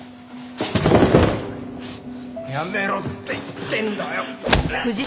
やめろって言ってんだよ！